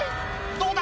どうだ？